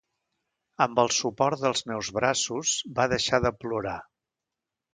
Amb el suport dels meus braços, va deixar de plorar.